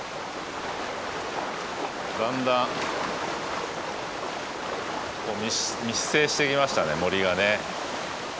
だんだん密生してきましたね森がね。